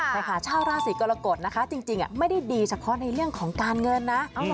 ใช่ค่ะชาวราศีกรกฎนะคะจริงไม่ได้ดีเฉพาะในเรื่องของการเงินนะ